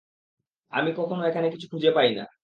আমি কখনো এখানে কিছু খুঁজে পাই না।